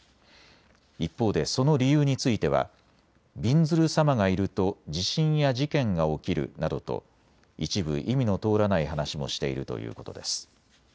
一方でその理由についてはびんずるさまがいると地震や事件が起きるなどと一部、意味の通らない話もしているということです。